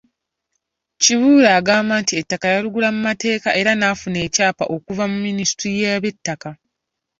Kibuule agamba nti ettaka yaligula mu mateeka era n’afuna n’ekyapa okuva mu Minisitule y’Eby'ettaka.